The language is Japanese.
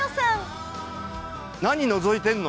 何のぞいてんの？